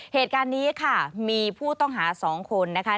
เหตุการณ์นี้ค่ะมีผู้ต้องหา๒คนนะคะ